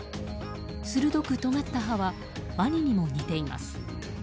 鋭くとがった歯はワニにも似ています。